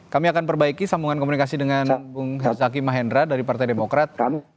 kami akan perbaiki sambungan komunikasi dengan bung herzaki mahendra dari partai demokrat